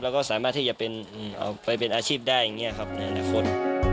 แล้วก็สามารถที่จะเอาไปเป็นอาชีพได้อย่างนี้ครับในอนาคต